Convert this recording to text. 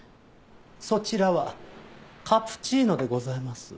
そちらはカプチーノでございます。